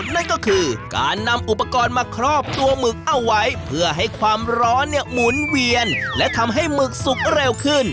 นั่นก็คือการนำอุปกรณ์มาครอบตัวหมึกเอาไว้เพื่อให้ความร้อนเนี่ยหมุนเวียนและทำให้หมึกสุกเร็วขึ้น